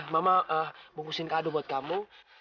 mama bungkusin kado buat kamu